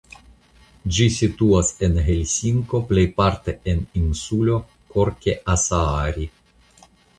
Ĝi situas en Helsinko plejparte en insulo Korkeasaari.